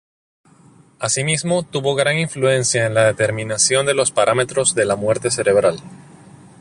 Asimismo tuvo gran influencia en la determinación de los parámetros de la muerte cerebral.